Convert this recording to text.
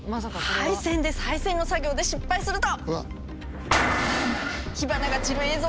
配線の作業で失敗すると。